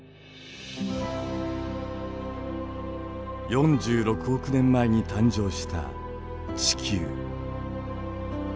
４６億年前に誕生した地球。